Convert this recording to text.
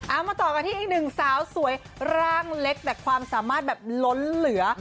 เอามาต่อกันที่อีกหนึ่งสาวสวยร่างเล็กแต่ความสามารถแบบล้นเหลือ